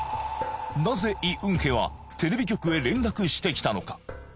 なぜイ・ウンヘはテレビ局へ連絡してきたのか？